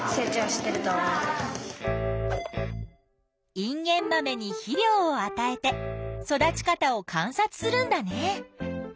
インゲンマメに肥料を与えて育ち方を観察するんだね。